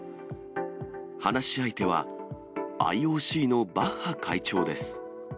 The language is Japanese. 話し相手はＩＯＣのバッハ会長です。